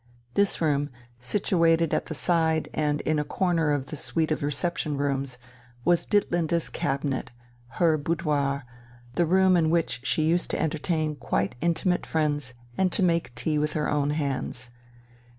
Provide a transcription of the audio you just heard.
This room, situated at the side and in a corner of the suite of reception rooms, was Ditlinde's cabinet, her boudoir, the room in which she used to entertain quite intimate friends and to make tea with her own hands.